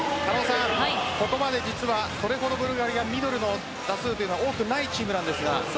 ここまで実はそれほど、ブルガリアミドルの打数は多くないチームなんですが。